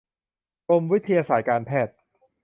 กรมวิทยาศาสตร์การแพทย์